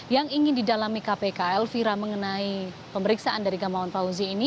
yang ingin didalami kpk elvira mengenai pemeriksaan dari gamawan fauzi ini